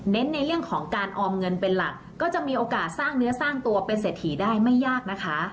ในเรื่องของการออมเงินเป็นหลักก็จะมีโอกาสสร้างเนื้อสร้างตัวเป็นเศรษฐีได้ไม่ยากนะคะ